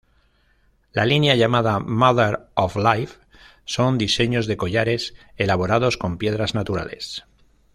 La línea llamada Mother of Life, son diseños de collares elaborados con piedras naturales.